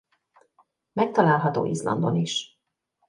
Megtalálható Izlandon is.